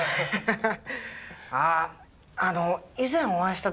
ハハハ！